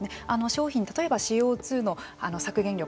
商品例えばＣＯの削減量